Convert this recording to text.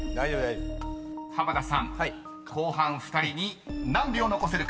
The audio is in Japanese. ［濱田さん後半２人に何秒残せるか］